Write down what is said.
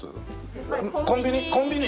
コンビニ。